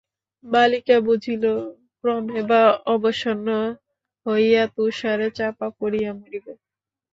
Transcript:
বালিকা বুঝিল ক্রমে সে অবসন্ন হইয়া তুষারে চাপা পড়িয়া মরিবে।